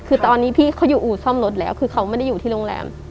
คือตอนนี้พี่เขาอยู่อู่ซ่อมรถแล้วคือเขาไม่ได้อยู่ที่โรงแรม